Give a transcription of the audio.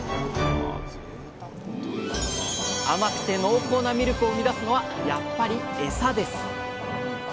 甘くて濃厚なミルクを生み出すのはやっぱりエサです。